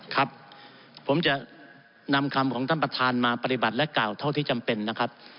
ครับผมจะนำคำของท่านประธานมาปฏิบัติและกล่าวเท่าที่จำเป็นนะครับ